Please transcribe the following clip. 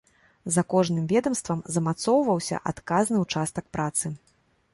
За кожным ведамствам замацоўваўся адказны ўчастак працы.